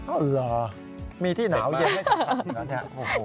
อ้าวเหรอมีที่หนาวเย็นให้สำคัญนะเนี่ย